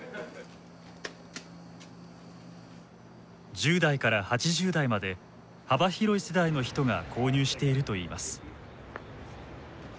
１０代から８０代まで幅広い世代の人が購入しているといいます。